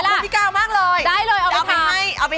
หัวใจ